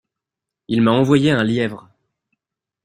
Il m’a envoyé un lièvre.